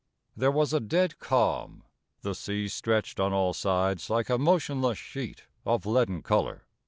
There was a dead calm. The sea stretched on all sides like a motionless sheet of leaden colour.